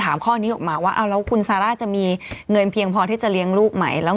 ข้อนี้ออกมาว่าเอาแล้วคุณซาร่าจะมีเงินเพียงพอที่จะเลี้ยงลูกไหมแล้ว